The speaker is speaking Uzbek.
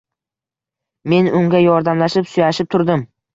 Men unga yordamlashib, suyashib turdim.